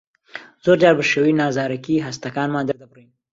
زۆرجار بە شێوەی نازارەکی هەستەکانمان دەردەبڕین.